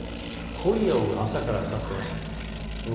濃い青、朝からかかっています。